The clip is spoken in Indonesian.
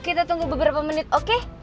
kita tunggu beberapa menit oke